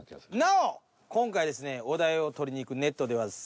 なお今回ですねお題を取りに行くネットではですね